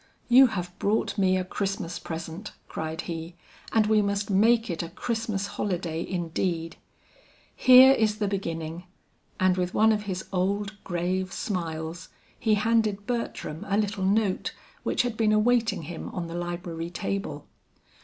"You have brought me a Christmas present," cried he, "and we must make it a Christmas holiday indeed. Here is the beginning:" and with one of his old grave smiles, he handed Bertram a little note which had been awaiting him on the library table.